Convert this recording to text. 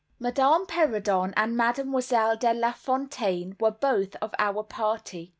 Madame Perrodon and Mademoiselle De Lafontaine were both of our party.